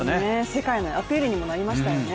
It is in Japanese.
世界へのアピールにもなりましたよね。